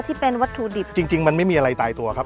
ที่เป็นวัตถุดิบจริงจริงมันไม่มีอะไรตายตัวครับ